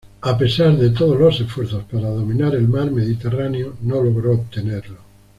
A pesar de todos los esfuerzos para dominar el mar Mediterráneo no logro obtenerlo.